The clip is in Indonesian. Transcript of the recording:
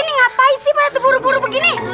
ini ngapain sih pada teburu buru begini